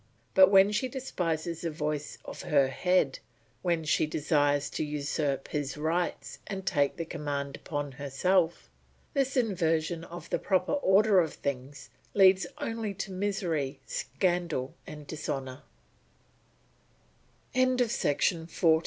But when she despises the voice of her head, when she desires to usurp his rights and take the command upon herself, this inversion of the proper order of things leads only to misery, scandal, and dishono